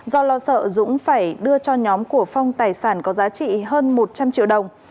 do lo sợ dũng phải đưa cho nhóm của phong tài sản có giá trị hơn một trăm linh triệu đồng